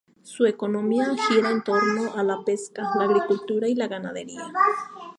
Su economía gira en torno a la pesca, la agricultura y la ganadería.